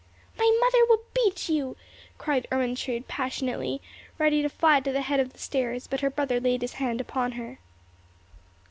"My mother will beat you," cried Ermentrude, passionately, ready to fly to the head of the stairs; but her brother laid his hand upon her.